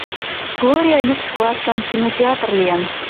«Глория» люкс классан кинотеатр лийын.